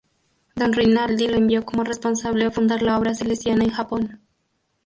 Don Rinaldi lo envió como responsable a fundar la obra salesiana en Japón.